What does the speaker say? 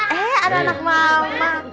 eh ada anak mama